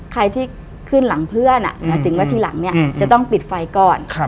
ใครที่ขึ้นหลังเพื่อนหมายถึงว่าทีหลังเนี่ยจะต้องปิดไฟก่อน